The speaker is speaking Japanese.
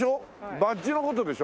バッジの事でしょ。